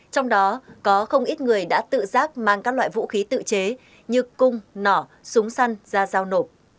trong đó có không ít người đã tự giác mang các loại vũ khí tự chế như cung nỏ súng săn ra giao nộp